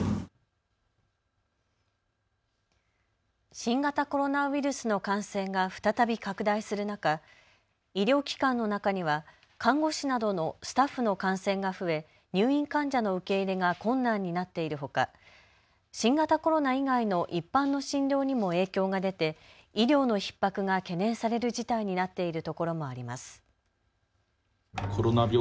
新型コロナウイルスの感染が再び拡大する中、医療機関の中には看護師などのスタッフの感染が増え、入院患者の受け入れが困難になっているほか、新型コロナ以外の一般の診療にも影響が出て、医療のひっ迫が懸念される事態になっている所もあります。